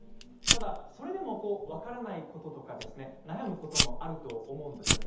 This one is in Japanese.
それでも分からないこと悩むことあると思います。